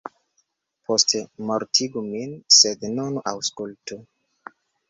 Poste mortigu min, sed nun aŭskultu.